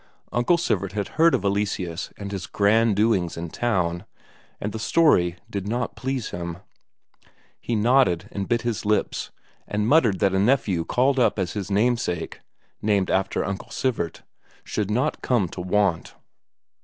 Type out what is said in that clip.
Uncle Sivert had heard of Eleseus and his grand doings in town, and the story did not please him; he nodded and bit his lips, and muttered that a nephew called up as his namesake named after Uncle Sivert should not come to want.